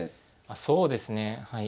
そうですねはい。